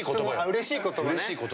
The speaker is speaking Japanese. うれしい言葉ね。